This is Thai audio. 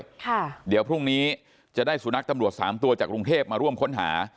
ค่ะเดี๋ยวพรุ่งนี้จะได้สุนัขตำรวจสามตัวจากกรุงเทพมาร่วมค้นหา